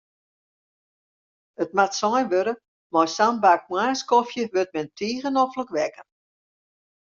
It moat sein wurde, mei sa'n bak moarnskofje wurdt men tige noflik wekker.